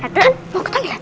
kan mau ketemu ya